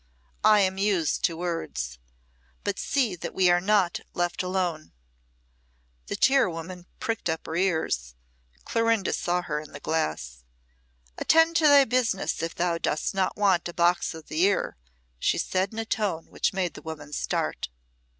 I am used to words. But see that we are not left alone." The tirewoman pricked up her ears. Clorinda saw her in the glass. "Attend to thy business if thou dost not want a box o' the ear," she said in a tone which made the woman start.